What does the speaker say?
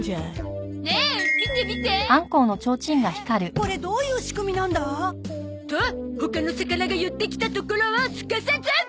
これどういう仕組みなんだ？と他の魚が寄ってきたところをすかさず。